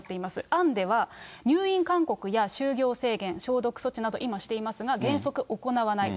案では、入院勧告や就業制限、消毒措置など、今していますが、原則、行わない。